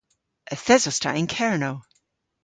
Yth esos ta yn Kernow.